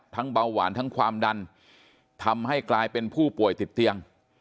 เบาหวานทั้งความดันทำให้กลายเป็นผู้ป่วยติดเตียง